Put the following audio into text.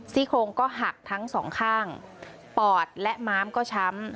โครงก็หักทั้งสองข้างปอดและม้ามก็ช้ำ